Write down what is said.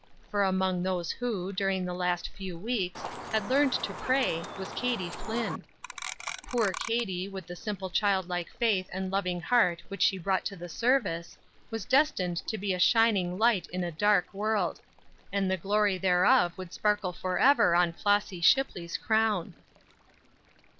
for among those who, during the last few weeks, had learned to pray was Katie Flinn. Poor Katie, with the simple child like faith and loving heart which she brought to the service, was destined to be a shining light in a dark world; and the glory thereof would sparkle forever in Flossy Shipley's crown.